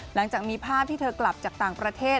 หลังจากมีภาพที่เธอกลับจากต่างประเทศ